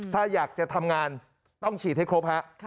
ถ้าอยากจะทำงานต้องฉีดให้ครบฮะ